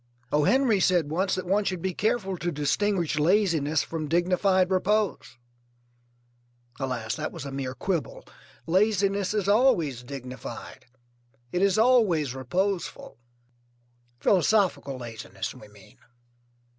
O. Henry said once that one should be careful to distinguish laziness from dignified repose. Alas, that was a mere quibble. Laziness is always dignified, it is always reposeful. Philosophical laziness, we mean.